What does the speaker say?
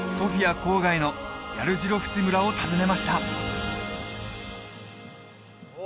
郊外のヤルジロフツィ村を訪ねましたうわ！